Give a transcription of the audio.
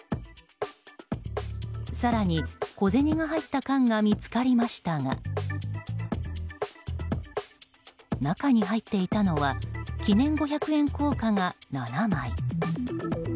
更に、小銭が入った缶が見つかりましたが中に入っていたのは記念五百円硬貨が７枚。